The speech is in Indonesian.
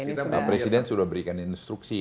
kita mbak presiden sudah berikan instruksi